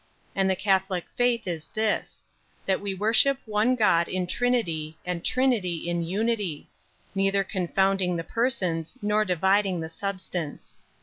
3. And the catholic faith is this: That we worship one God in Trinity, and Trinity in Unity; 4. Neither confounding the persons nor dividing the substance.